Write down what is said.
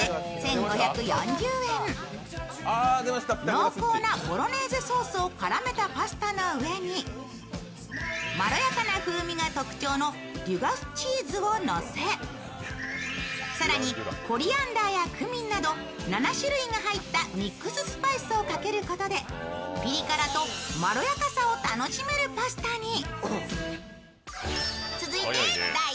濃厚なボロネーゼソースを絡めたパスタの上にまろやかな風味が特徴のデュガスチーズをのせ、更に、コリアンダーやクミンなど７種類が入ったミックススパイスをかけることでピリ辛とまろやかさを楽しめるパスタに。